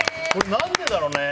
何でだろうね。